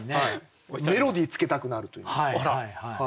メロディーつけたくなるといいますか。